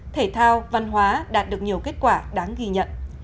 thể thao văn hóa đạt được nhiều kết quả đáng ghi nhận